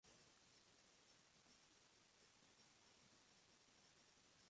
después, como un raptor de los tiempos heroicos, huyó lanzándome terribles denuestos.